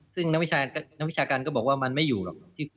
ซึ่งนักวิชาการก็บอกว่ามันไม่อยู่หรอก